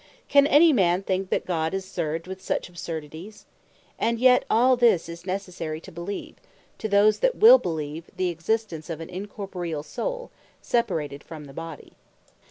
Can any man think that God is served with such absurdities? And yet all this is necessary to beleeve, to those that will beleeve the Existence of an Incorporeall Soule, Separated from the Body.